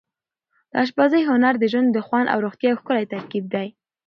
د اشپزۍ هنر د ژوند د خوند او روغتیا یو ښکلی ترکیب دی.